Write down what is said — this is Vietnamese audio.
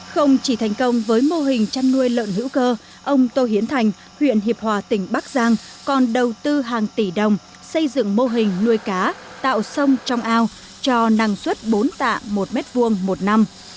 không chỉ thành công với mô hình chăn nuôi lợn hữu cơ ông tô hiến thành huyện hiệp hòa tỉnh bắc giang còn đầu tư hàng tỷ đồng xây dựng mô hình nuôi cá tạo sông trong ao cho năng suất bốn tạ một m hai một năm